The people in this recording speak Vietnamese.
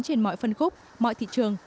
trên mọi phân khúc mọi thị trường